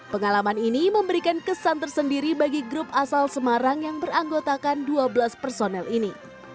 pengalaman ini memberikan kesan tersendiri bagi grup asal semarang yang beranggotakan dua belas personel ini